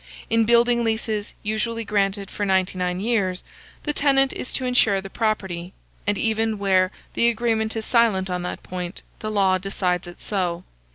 In building leases, usually granted for 99 years, the tenant is to insure the property; and even where the agreement is silent on that point, the law decides it so.